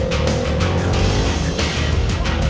gue gak terima boy